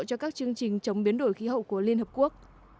cho các chương trình chống biến đổi khí hậu của liên hợp quốc